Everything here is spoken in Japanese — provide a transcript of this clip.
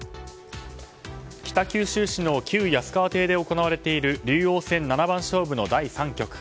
北九州市の旧安川邸で行われている竜王戦七番勝負の第３局。